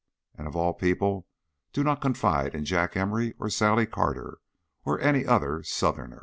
And of all people do not confide in Jack Emory or Sally Carter or any other Southerner."